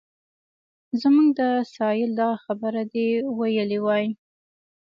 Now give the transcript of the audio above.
زموږ د سایل دغه خبره دې ویلې وای.